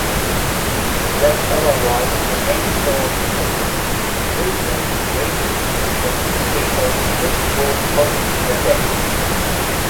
Unless otherwise, the main source of Nielsen ratings is the newspaper "Pittsburgh Post-Gazette".